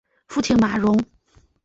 父亲马荣。